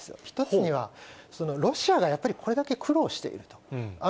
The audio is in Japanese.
一つには、ロシアがやっぱりこれだけ苦労していると。